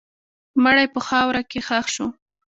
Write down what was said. مړی په خاوره کې ښخ شو.